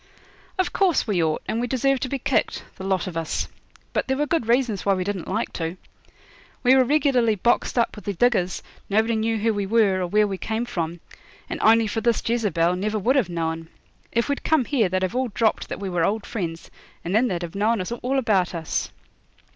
'Of course we ought, and we deserve to be kicked the lot of us; but there were good reasons why we didn't like to. We were regularly boxed up with the diggers, nobody knew who we were, or where we came from, and only for this Jezebel never would have known. If we'd come here they'd have all dropped that we were old friends, and then they'd have known all about us.'